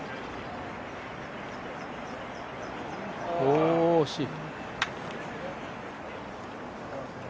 お、惜しい。